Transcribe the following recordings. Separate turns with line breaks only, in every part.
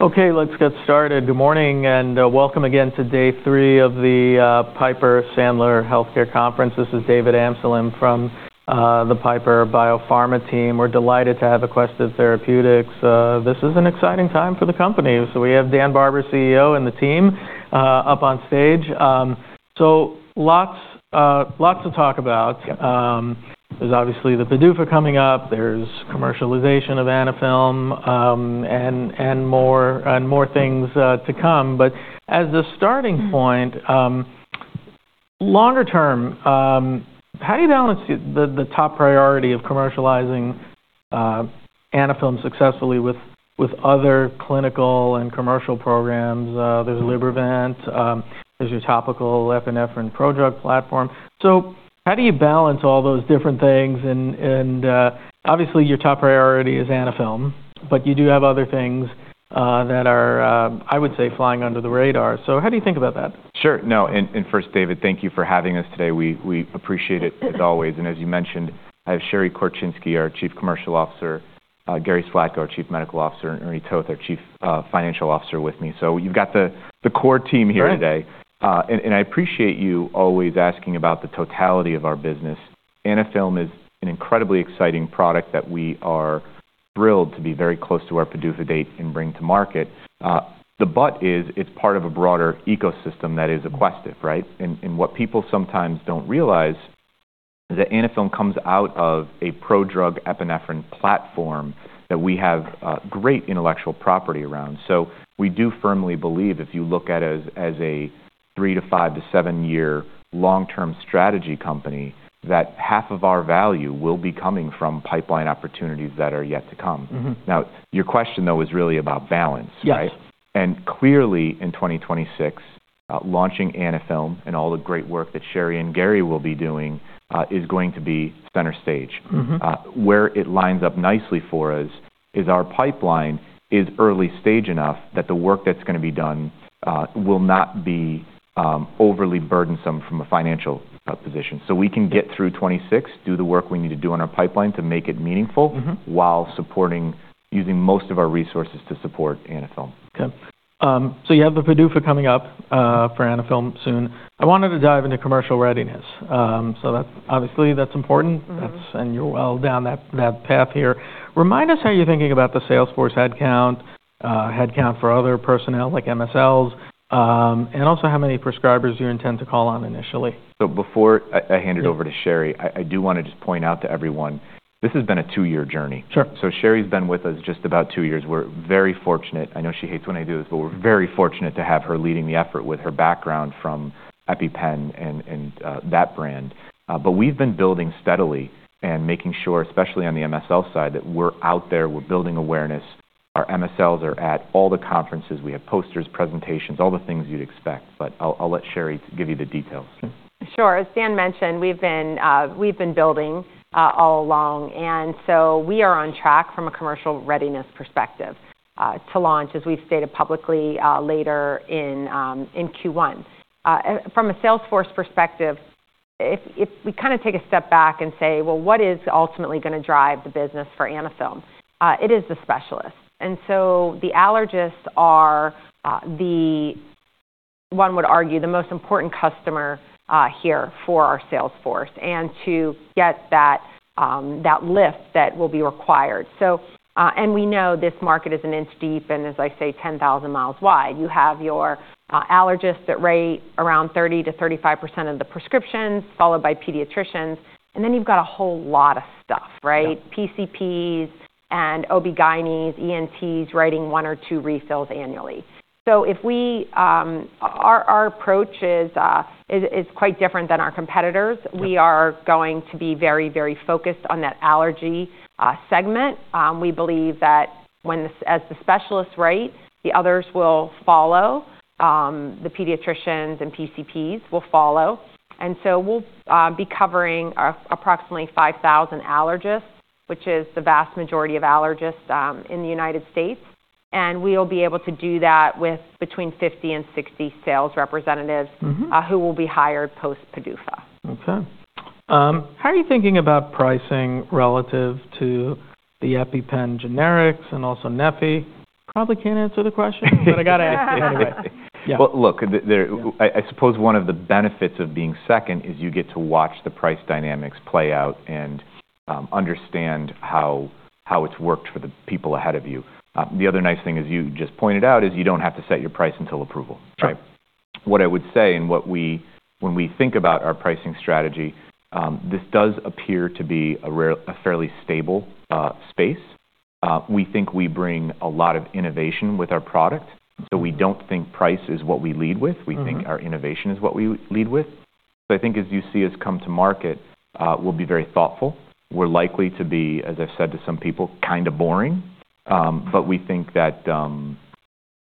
Okay, let's get started. Good morning and welcome again to day three of the Piper Sandler Healthcare Conference. This is David Amsellem from the Piper Biopharma team. We're delighted to have Aquestive Therapeutics. This is an exciting time for the company, so we have Dan Barber, CEO, and the team up on stage, so lots to talk about. There's obviously the PDUFA coming up, there's commercialization of Anaphylm, and more things to come, but as a starting point, longer term, how do you balance the top priority of commercializing Anaphylm successfully with other clinical and commercial programs? There's Libervant, there's your topical epinephrine prodrug platform, so how do you balance all those different things? And obviously your top priority is Anaphylm, but you do have other things that are, I would say, flying under the radar, so how do you think about that?
Sure. No, and first, David, thank you for having us today. We appreciate it as always. And as you mentioned, I have Sherry Korczynski, our Chief Commercial Officer, Gary Slatko, our Chief Medical Officer, and Ernie Toth, our Chief Financial Officer with me. So you've got the core team here today. And I appreciate you always asking about the totality of our business. Anaphylm is an incredibly exciting product that we are thrilled to be very close to our PDUFA date and bring to market. But it's part of a broader ecosystem that is Aquestive, right? And what people sometimes don't realize is that Anaphylm comes out of a prodrug epinephrine platform that we have great intellectual property around. We do firmly believe if you look at it as a three to five to seven-year long-term strategy company that half of our value will be coming from pipeline opportunities that are yet to come. Now, your question though is really about balance, right? And clearly in 2026, launching Anaphylm and all the great work that Sherry and Gary will be doing is going to be center stage. Where it lines up nicely for us is our pipeline is early stage enough that the work that's going to be done will not be overly burdensome from a financial position. So we can get through 2026, do the work we need to do on our pipeline to make it meaningful while supporting, using most of our resources to support Anaphylm.
Okay. So you have the PDUFA coming up for Anaphylm soon. I wanted to dive into commercial readiness. So obviously that's important and you're well down that path here. Remind us how you're thinking about the sales force headcount, headcount for other personnel like MSLs, and also how many prescribers you intend to call on initially.
So before I hand it over to Sherry, I do want to just point out to everyone, this has been a two-year journey. So Sherry's been with us just about two years. We're very fortunate. I know she hates when I do this, but we're very fortunate to have her leading the effort with her background from EpiPen and that brand. But we've been building steadily and making sure, especially on the MSL side, that we're out there, we're building awareness. Our MSLs are at all the conferences. We have posters, presentations, all the things you'd expect. But I'll let Sherry give you the details.
Sure. As Dan mentioned, we've been building all along. And so we are on track from a commercial readiness perspective to launch as we've stated publicly later in Q1. From a sales force perspective, if we kind of take a step back and say, well, what is ultimately going to drive the business for Anaphylm? It is the specialists. And so the allergists are the, one would argue, the most important customer here for our sales force and to get that lift that will be required. And we know this market is an inch deep and as I say, 10,000 miles wide. You have your allergists that rate around 30%-35% of the prescriptions, followed by pediatricians. And then you've got a whole lot of stuff, right? PCPs and OB/GYNs, ENTs writing one or two refills annually. So our approach is quite different than our competitors. We are going to be very, very focused on that allergy segment. We believe that as the specialists write, the others will follow. The pediatricians and PCPs will follow, and so we'll be covering approximately 5,000 allergists, which is the vast majority of allergists in the United States, and we'll be able to do that with between 50 and 60 sales representatives who will be hired post-PDUFA.
Okay. How are you thinking about pricing relative to the EpiPen generics and also neffy? Probably can't answer the question, but I got to ask it anyway.
Look, I suppose one of the benefits of being second is you get to watch the price dynamics play out and understand how it's worked for the people ahead of you. The other nice thing as you just pointed out is you don't have to set your price until approval. What I would say and when we think about our pricing strategy, this does appear to be a fairly stable space. We think we bring a lot of innovation with our product. So we don't think price is what we lead with. We think our innovation is what we lead with. So I think as you see us come to market, we'll be very thoughtful. We're likely to be, as I've said to some people, kind of boring, but we think that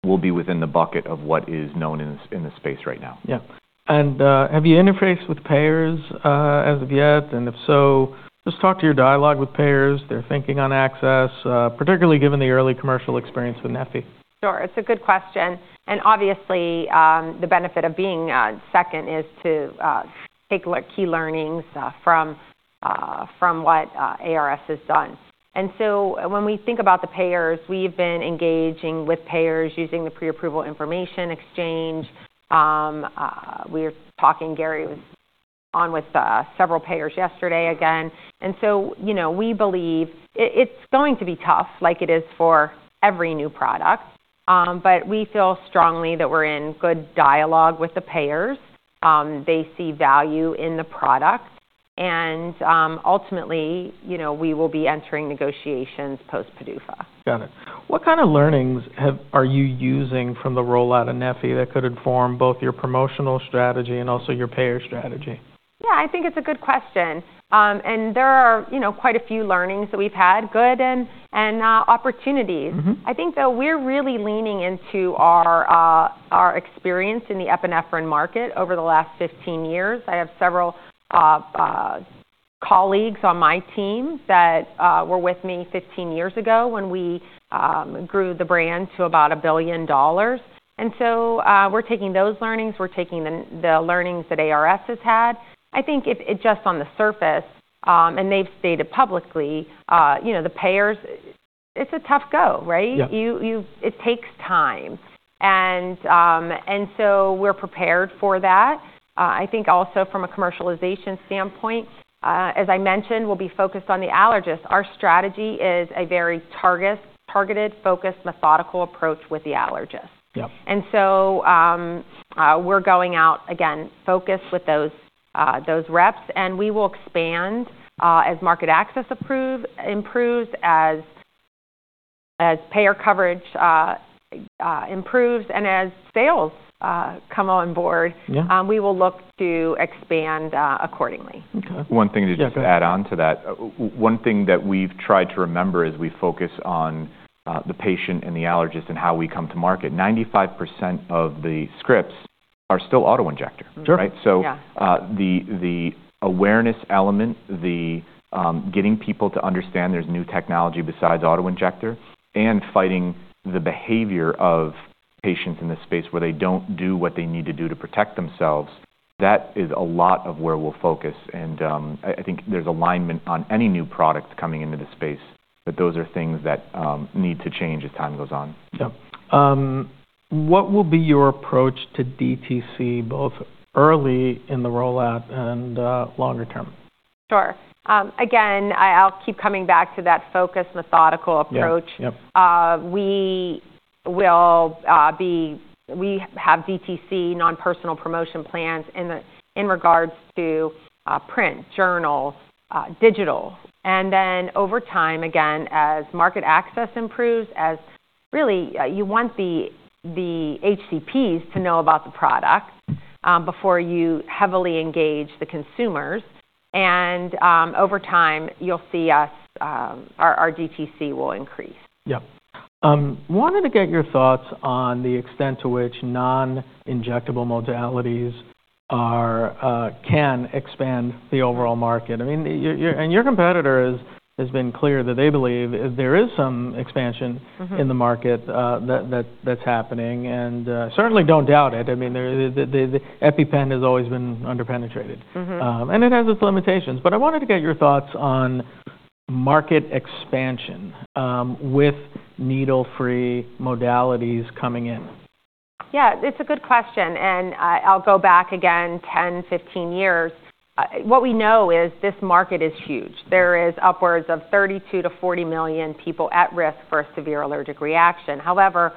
we'll be within the bucket of what is known in the space right now.
Yeah. And have you interfaced with payers as of yet? And if so, just talk to your dialog with payers. They're thinking on access, particularly given the early commercial experience with neffy.
Sure. It's a good question, and obviously the benefit of being second is to take key learnings from what ARS has done, and so when we think about the payers, we've been engaging with payers using the pre-approval information exchange. We're talking. Gary was on with several payers yesterday again, and so we believe it's going to be tough like it is for every new product, but we feel strongly that we're in good dialogue with the payers. They see value in the product, and ultimately, we will be entering negotiations post-PDUFA.
Got it. What kind of learnings are you using from the rollout of neffy that could inform both your promotional strategy and also your payer strategy?
Yeah, I think it's a good question, and there are quite a few learnings that we've had, good and opportunities. I think that we're really leaning into our experience in the epinephrine market over the last 15 years. I have several colleagues on my team that were with me 15 years ago when we grew the brand to about $1 billion. And so we're taking those learnings. We're taking the learnings that ARS has had. I think just on the surface, and they've stated publicly, the payers, it's a tough go, right? It takes time, and so we're prepared for that. I think also from a commercialization standpoint, as I mentioned, we'll be focused on the allergists. Our strategy is a very targeted, focused, methodical approach with the allergists. And so we're going out again, focused with those reps, and we will expand as market access improves, as payer coverage improves, and as sales come on board. We will look to expand accordingly.
One thing to just add on to that. One thing that we've tried to remember is we focus on the patient and the allergist and how we come to market. 95% of the scripts are still auto-injector, right? So the awareness element, the getting people to understand there's new technology besides auto-injector and fighting the behavior of patients in this space where they don't do what they need to do to protect themselves, that is a lot of where we'll focus. And I think there's alignment on any new product coming into the space, but those are things that need to change as time goes on.
Yeah. What will be your approach to DTC both early in the rollout and longer term?
Sure. Again, I'll keep coming back to that focused methodical approach. We have DTC non-personal promotion plans in regards to print, journals, digital, and then over time, again, as market access improves, as really you want the HCPs to know about the product before you heavily engage the consumers, and over time, you'll see our DTC will increase.
Yeah. I wanted to get your thoughts on the extent to which non-injectable modalities can expand the overall market. I mean, and your competitor has been clear that they believe there is some expansion in the market that's happening. And certainly don't doubt it. I mean, the EpiPen has always been underpenetrated. And it has its limitations. But I wanted to get your thoughts on market expansion with needle-free modalities coming in.
Yeah, it's a good question, and I'll go back again 10, 15 years. What we know is this market is huge. There is upwards of 32-40 million people at risk for a severe allergic reaction. However,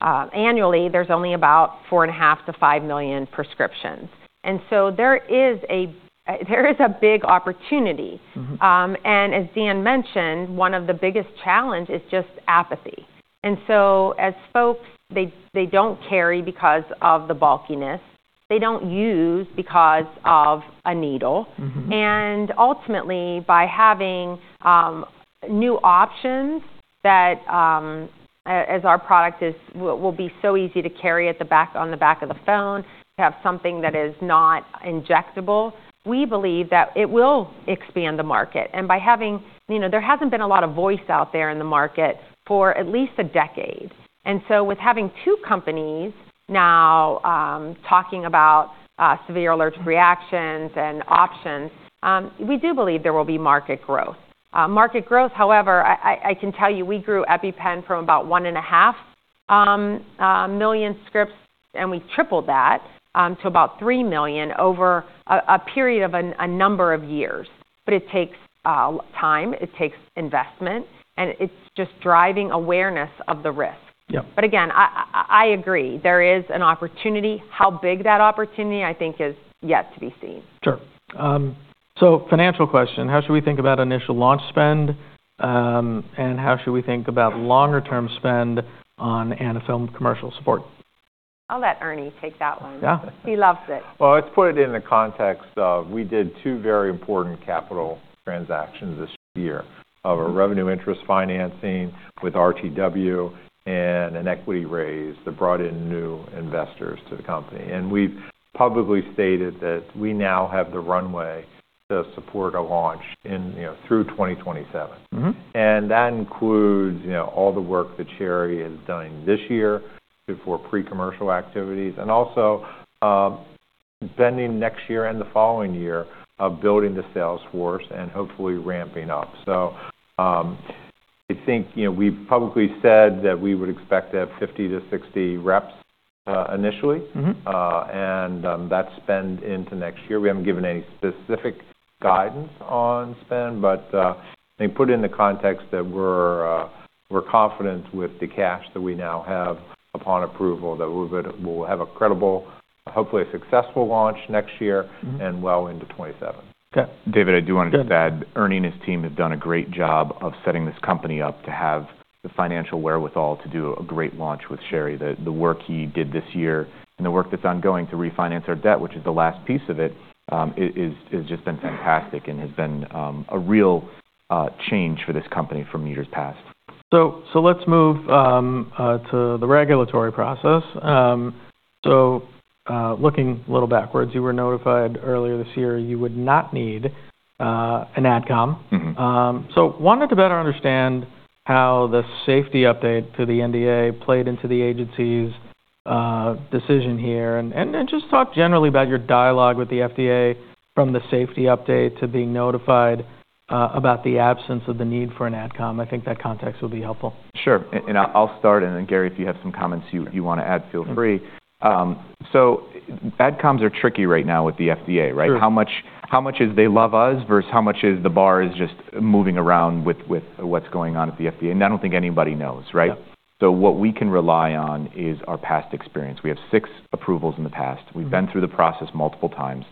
annually, there's only about four and a half to five million prescriptions, and so there is a big opportunity, and as Dan mentioned, one of the biggest challenges is just apathy. And so as folks, they don't carry because of the bulkiness. They don't use because of a needle, and ultimately, by having new options that, as our product will be so easy to carry on the back of the phone, have something that is not injectable, we believe that it will expand the market, and by having, there hasn't been a lot of voice out there in the market for at least a decade. And so with having two companies now talking about severe allergic reactions and options, we do believe there will be market growth. Market growth, however, I can tell you we grew EpiPen from about 1.5 million scripts, and we tripled that to about 3 million over a period of a number of years. But it takes time. It takes investment. And it's just driving awareness of the risk. But again, I agree. There is an opportunity. How big that opportunity, I think, is yet to be seen.
Sure. So financial question. How should we think about initial launch spend? And how should we think about longer-term spend on Anaphylm commercial support?
I'll let Ernie take that one. He loves it.
Let's put it in the context of we did two very important capital transactions this year of a revenue interest financing with RTW and an equity raise that brought in new investors to the company. And we've publicly stated that we now have the runway to support a launch through 2027. And that includes all the work that Sherry has done this year for pre-commercial activities and also spending next year and the following year of building the sales force and hopefully ramping up. So I think we've publicly said that we would expect to have 50-60 reps initially. And that's spend into next year. We haven't given any specific guidance on spend, but I think put it in the context that we're confident with the cash that we now have upon approval that we'll have a credible, hopefully successful launch next year and well into 2027.
David, I do want to just add, Ernie and his team have done a great job of setting this company up to have the financial wherewithal to do a great launch with Sherry. The work he did this year and the work that's ongoing to refinance our debt, which is the last piece of it, has just been fantastic and has been a real change for this company from years past.
Let's move to the regulatory process. Looking a little backwards, you were notified earlier this year you would not need an AdCom. I wanted to better understand how the safety update to the NDA played into the agency's decision here and just talk generally about your dialogue with the FDA from the safety update to being notified about the absence of the need for an AdCom. I think that context will be helpful.
Sure. And I'll start. And then Gary, if you have some comments you want to add, feel free. So AdComs are tricky right now with the FDA, right? How much is they love us versus how much is the bar is just moving around with what's going on at the FDA? And I don't think anybody knows, right? So what we can rely on is our past experience. We have six approvals in the past. We've been through the process multiple times.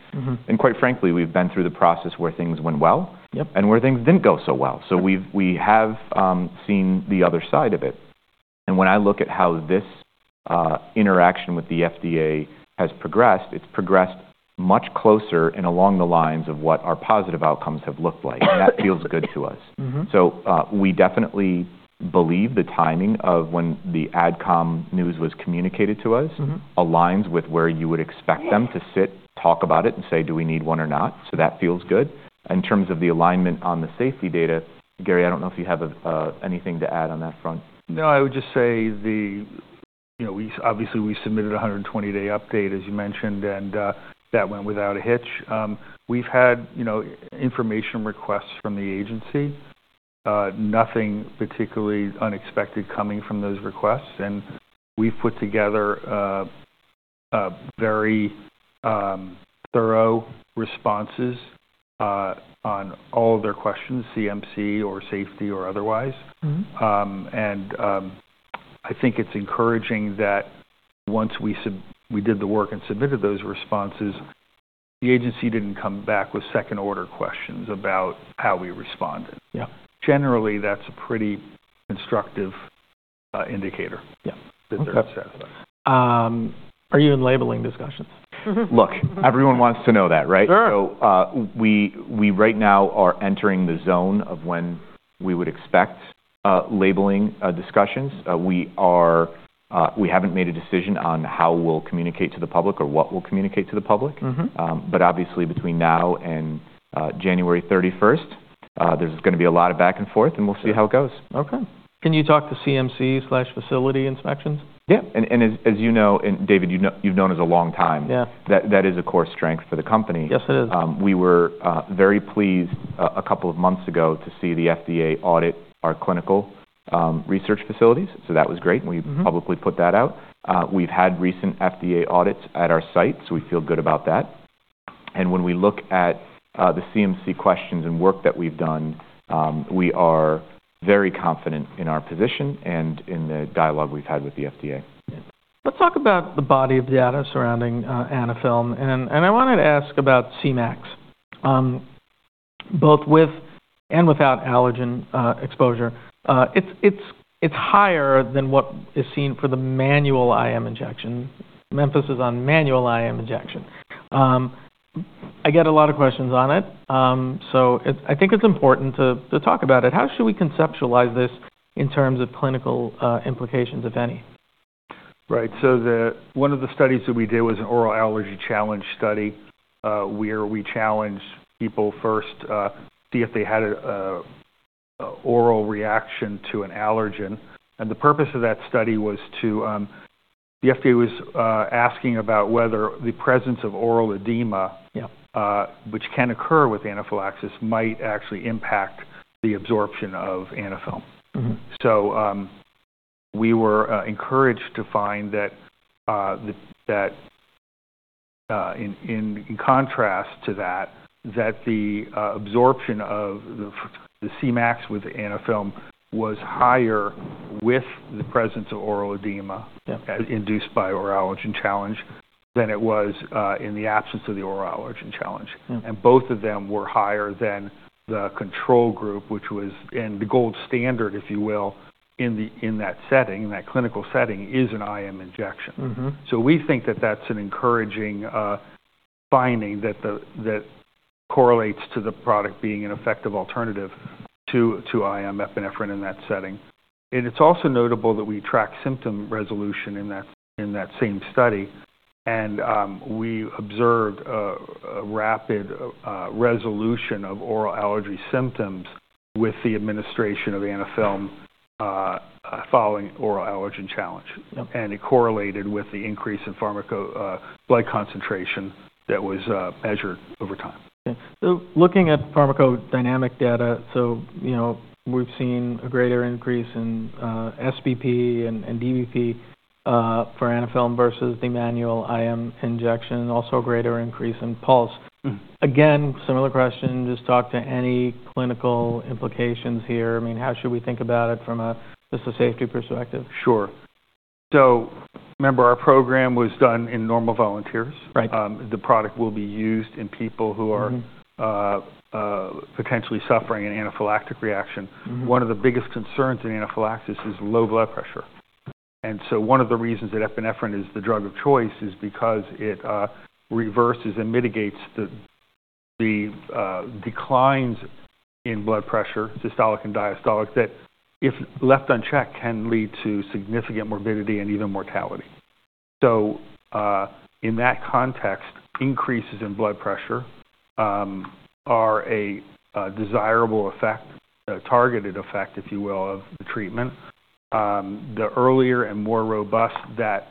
And quite frankly, we've been through the process where things went well and where things didn't go so well. So we have seen the other side of it. And when I look at how this interaction with the FDA has progressed, it's progressed much closer and along the lines of what our positive outcomes have looked like. And that feels good to us. So we definitely believe the timing of when the AdCom news was communicated to us aligns with where you would expect them to sit, talk about it, and say, "Do we need one or not?" So that feels good. In terms of the alignment on the safety data, Gary, I don't know if you have anything to add on that front.
No, I would just say that obviously we submitted a 120-day update, as you mentioned, and that went without a hitch. We've had information requests from the agency. Nothing particularly unexpected coming from those requests, and we've put together very thorough responses on all of their questions, CMC or safety or otherwise, and I think it's encouraging that once we did the work and submitted those responses, the agency didn't come back with second-order questions about how we responded. Generally, that's a pretty constructive indicator that they're satisfied.
Are you in labeling discussions?
Look, everyone wants to know that, right? So we right now are entering the zone of when we would expect labeling discussions. We haven't made a decision on how we'll communicate to the public or what we'll communicate to the public. But obviously, between now and January 31st, there's going to be a lot of back and forth, and we'll see how it goes.
Okay. Can you talk to CMC/facility inspections?
Yeah. As you know, David, you've known us a long time. That is a core strength for the company.
Yes, it is.
We were very pleased a couple of months ago to see the FDA audit our clinical research facilities. So that was great. We publicly put that out. We've had recent FDA audits at our site, so we feel good about that, and when we look at the CMC questions and work that we've done, we are very confident in our position and in the dialogue we've had with the FDA.
Let's talk about the body of data surrounding Anaphylm. And I wanted to ask about Cmax, both with and without allergen exposure. It's higher than what is seen for the manual IM injection. Emphasis is on manual IM injection. I get a lot of questions on it. So I think it's important to talk about it. How should we conceptualize this in terms of clinical implications, if any?
Right. So one of the studies that we did was an oral allergy challenge study where we challenged people first to see if they had an oral reaction to an allergen. And the purpose of that study was to the FDA was asking about whether the presence of oral edema, which can occur with anaphylaxis, might actually impact the absorption of Anaphylm. So we were encouraged to find that in contrast to that, that the absorption of the Cmax with Anaphylm was higher with the presence of oral edema induced by oral allergen challenge than it was in the absence of the oral allergen challenge. And both of them were higher than the control group, which was in the gold standard, if you will, in that setting, in that clinical setting, is an IM injection. We think that that's an encouraging finding that correlates to the product being an effective alternative to IM epinephrine in that setting. It's also notable that we tracked symptom resolution in that same study. We observed a rapid resolution of oral allergy symptoms with the administration of Anaphylm following oral allergen challenge. It correlated with the increase in blood concentration that was measured over time.
Okay. So looking at pharmacodynamic data, so we've seen a greater increase in SBP and DBP for Anaphylm versus the manual IM injection, also a greater increase in pulse. Again, similar question, just talk to any clinical implications here. I mean, how should we think about it from just a safety perspective?
Sure. So remember, our program was done in normal volunteers. The product will be used in people who are potentially suffering an anaphylactic reaction. One of the biggest concerns in anaphylaxis is low blood pressure. And so one of the reasons that epinephrine is the drug of choice is because it reverses and mitigates the declines in blood pressure, systolic and diastolic, that if left unchecked, can lead to significant morbidity and even mortality. So in that context, increases in blood pressure are a desirable effect, a targeted effect, if you will, of the treatment. The earlier and more robust that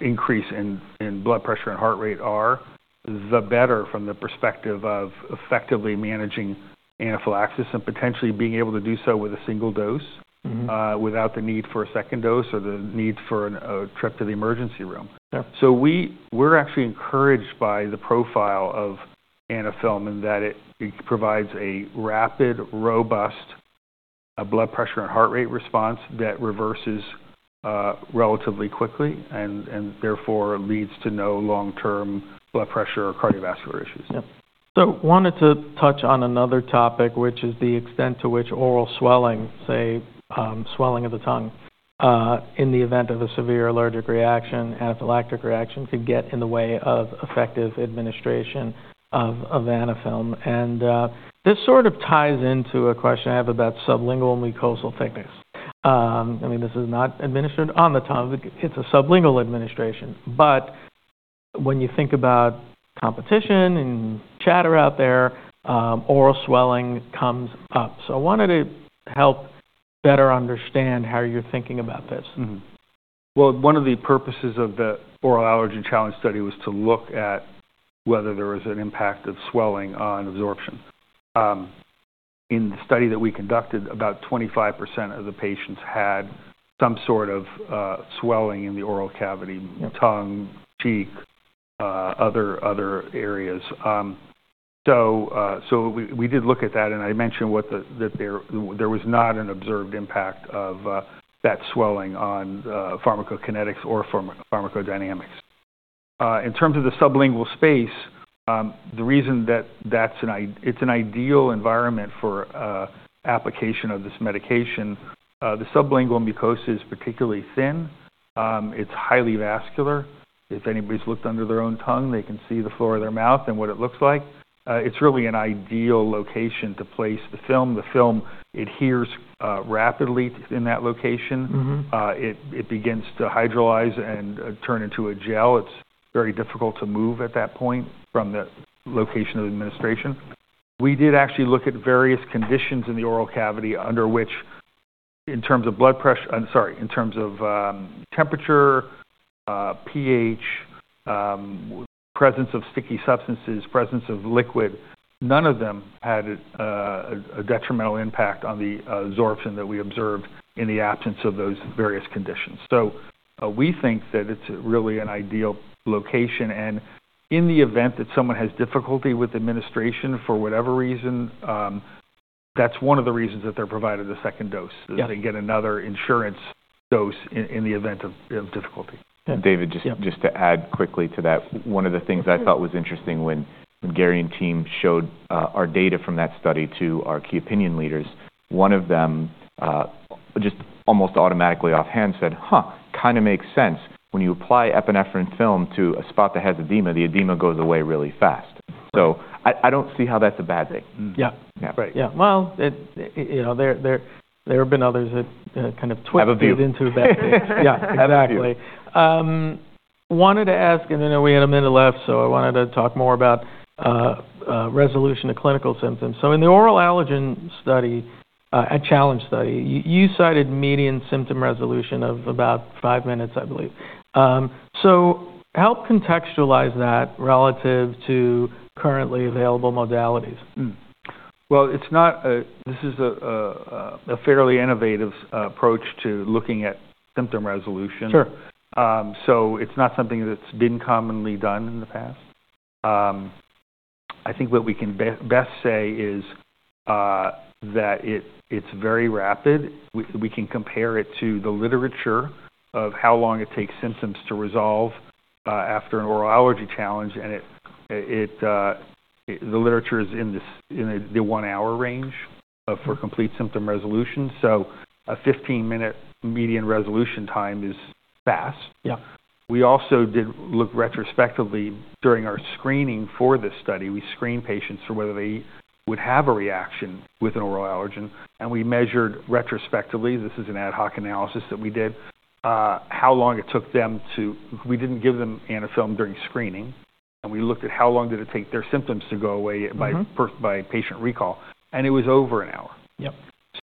increase in blood pressure and heart rate are, the better from the perspective of effectively managing anaphylaxis and potentially being able to do so with a single dose without the need for a second dose or the need for a trip to the emergency room. We're actually encouraged by the profile of Anaphylm in that it provides a rapid, robust blood pressure and heart rate response that reverses relatively quickly and therefore leads to no long-term blood pressure or cardiovascular issues.
Yeah. So I wanted to touch on another topic, which is the extent to which oral swelling, say, swelling of the tongue in the event of a severe allergic reaction, anaphylactic reaction, could get in the way of effective administration of Anaphylm. And this sort of ties into a question I have about sublingual mucosal thickness. I mean, this is not administered on the tongue. It's a sublingual administration. But when you think about competition and chatter out there, oral swelling comes up. So I wanted to help better understand how you're thinking about this.
One of the purposes of the oral allergen challenge study was to look at whether there was an impact of swelling on absorption. In the study that we conducted, about 25% of the patients had some sort of swelling in the oral cavity, tongue, cheek, other areas. So we did look at that. And I mentioned that there was not an observed impact of that swelling on pharmacokinetics or pharmacodynamics. In terms of the sublingual space, the reason that it's an ideal environment for application of this medication, the sublingual mucosa is particularly thin. It's highly vascular. If anybody's looked under their own tongue, they can see the floor of their mouth and what it looks like. It's really an ideal location to place the film. The film adheres rapidly in that location. It begins to hydrolyze and turn into a gel. It's very difficult to move at that point from the location of administration. We did actually look at various conditions in the oral cavity under which, in terms of blood pressure, I'm sorry, in terms of temperature, pH, presence of sticky substances, presence of liquid, none of them had a detrimental impact on the absorption that we observed in the absence of those various conditions. So we think that it's really an ideal location. And in the event that someone has difficulty with administration for whatever reason, that's one of the reasons that they're provided a second dose, that they get another insurance dose in the event of difficulty.
And David, just to add quickly to that, one of the things I thought was interesting when Gary and team showed our data from that study to our key opinion leaders, one of them just almost automatically offhand said, "Huh, kind of makes sense. When you apply epinephrine film to a spot that has edema, the edema goes away really fast." So I don't see how that's a bad thing.
Yeah. Great. Yeah. Well, there have been others that kind of tweaked it into a bad thing. Yeah. Exactly. Wanted to ask, and I know we had a minute left, so I wanted to talk more about resolution of clinical symptoms. So in the oral allergen study, a challenge study, you cited median symptom resolution of about five minutes, I believe. So help contextualize that relative to currently available modalities.
This is a fairly innovative approach to looking at symptom resolution. It's not something that's been commonly done in the past. I think what we can best say is that it's very rapid. We can compare it to the literature of how long it takes symptoms to resolve after an oral allergy challenge. The literature is in the one-hour range for complete symptom resolution. A 15-minute median resolution time is fast. We also did look retrospectively during our screening for this study. We screened patients for whether they would have a reaction with an oral allergen. We measured retrospectively (this is an ad hoc analysis that we did) how long it took them to. We didn't give them Anaphylm during screening. We looked at how long did it take their symptoms to go away by patient recall. It was over an hour.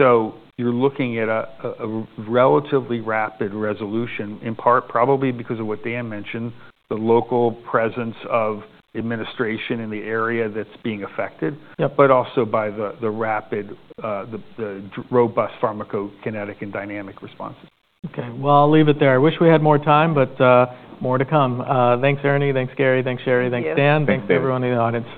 So you're looking at a relatively rapid resolution, in part probably because of what Dan mentioned, the local presence of administration in the area that's being affected, but also by the robust pharmacokinetic and dynamic responses.
Okay. Well, I'll leave it there. I wish we had more time, but more to come. Thanks, Ernie. Thanks, Gary. Thanks, Sherry. Thanks, Dan. Thanks to everyone in the audience.